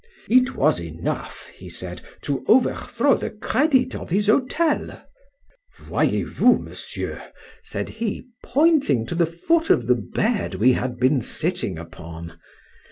—It was enough, he said, to overthrow the credit of his hotel.—Voyez vous, Monsieur, said he, pointing to the foot of the bed we had been sitting upon.